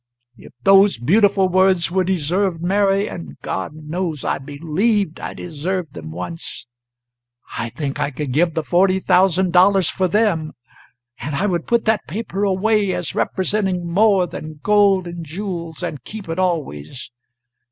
"If those beautiful words were deserved, Mary and God knows I believed I deserved them once I think I could give the forty thousand dollars for them. And I would put that paper away, as representing more than gold and jewels, and keep it always.